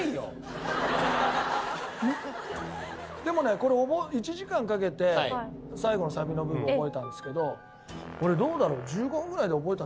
でもね１時間かけて最後のサビの部分を覚えたんですけど俺どうだろう。